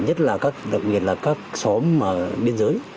nhất là đặc biệt là các xóm biên giới